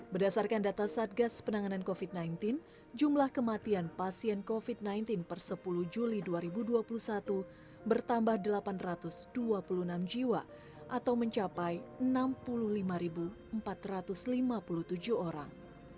berdasarkan data satgas penanganan covid sembilan belas jumlah kematian pasien covid sembilan belas per sepuluh juli dua ribu dua puluh satu bertambah delapan ratus dua puluh enam jiwa atau mencapai enam puluh lima empat ratus lima puluh tujuh orang